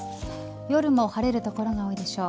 夜も晴れる所が多いでしょう。